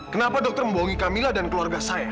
kenapa dokter membohongi kamila dan keluarga saya